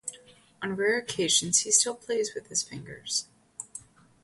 On rare occasions, he still plays with his fingers.